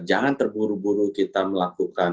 jangan terburu buru kita melakukan